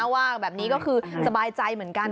ว่าแบบนี้ก็คือสบายใจเหมือนกัน